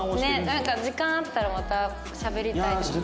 なんか時間あったらまたしゃべりたいです。